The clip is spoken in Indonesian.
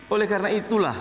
oleh karena itulah